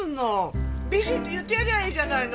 ビシって言ってやればいいじゃないの。